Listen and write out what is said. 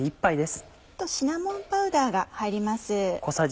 シナモンパウダーが入ります。